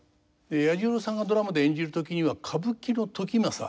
彌十郎さんがドラマで演じる時には歌舞伎の時政